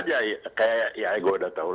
ya saya sudah tahu